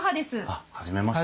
あっ初めまして。